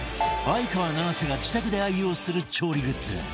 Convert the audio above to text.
相川七瀬が自宅で愛用する調理グッズ